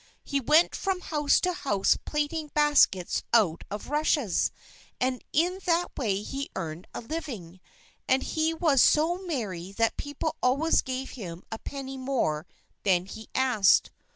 He went from house to house plaiting baskets out of rushes, and in that way he earned a living. And he was so merry that people always gave him a penny more than he asked.